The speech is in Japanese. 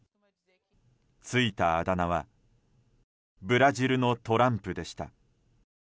ついた、あだ名はブラジルのトランプでした。